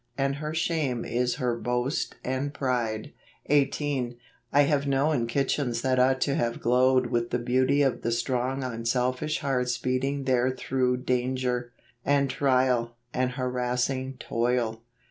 And her shame is her boast and pride.'" 18. I have known kitchens that ought to have glowed with the beauty of the strong unselfish hearts beating there through dan¬ ger, and trial, and harassing toil.